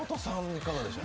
いかがでしょう？